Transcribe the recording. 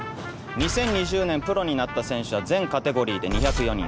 ２０２０年プロになった選手は全カテゴリーで２０４人。